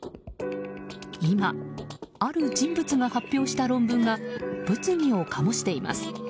今、ある人物が発表した論文が物議を醸しています。